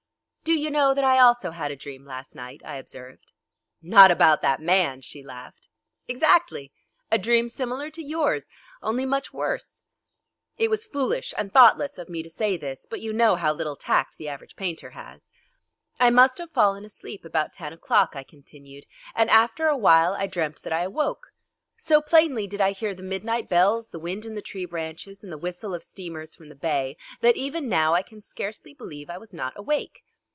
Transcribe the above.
"Do you know that I also had a dream last night?" I observed. "Not about that man," she laughed. "Exactly. A dream similar to yours, only much worse." It was foolish and thoughtless of me to say this, but you know how little tact the average painter has. "I must have fallen asleep about ten o'clock," I continued, "and after a while I dreamt that I awoke. So plainly did I hear the midnight bells, the wind in the tree branches, and the whistle of steamers from the bay, that even now I can scarcely believe I was not awake.